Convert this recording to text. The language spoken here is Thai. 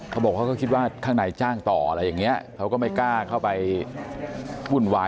เขาบอกเขาก็คิดว่าข้างในจ้างต่ออะไรอย่างนี้เขาก็ไม่กล้าเข้าไปวุ่นวาย